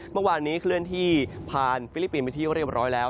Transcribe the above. เมื่อวานนี้เคลื่อนที่ผ่านฟิลิปปินส์ไปที่เรียบร้อยแล้ว